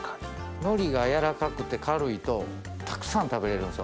海苔がやわらかくて軽いとたくさん食べれるんですよ。